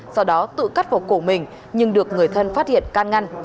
sau đó tự cắt vào cổ mình nhưng được người thân phát hiện can ngăn